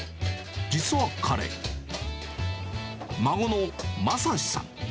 実は彼、孫のまさしさん。